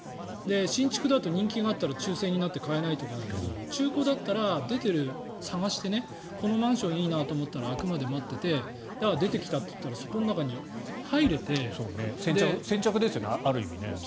新築だと人気があったら抽選になって買えないとかあるけど中古だったら、探してこのマンションいいなと思ったら空くまで待ってて出てきたといったら先着ですよね、ある意味。